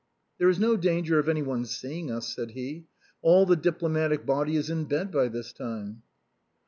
" There is no danger of any one seeing us," said he ;" all the diplomatic body is in bed by this time."